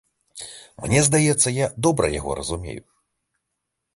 Мне здаецца, я добра яго разумею.